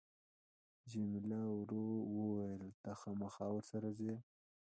جميله ورو وویل ته خامخا ورسره ځې.